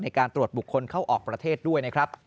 ในการตรวจบุคคลเข้าออกประเทศด้วยนะครับ